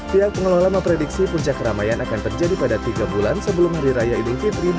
pihak pengelola memprediksi puncak keramaian akan terjadi pada tiga bulan sebelum hari raya idul fitri dua ribu dua puluh